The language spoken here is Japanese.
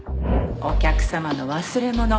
お客様の忘れもの。